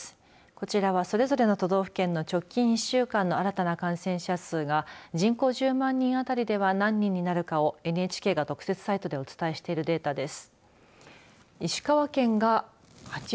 こちらはそれぞれの都道府県の直近１週間の新たな感染者数が人口１０万人当たりでは何人になるかをＮＨＫが特設サイトでお伝えしているデータです。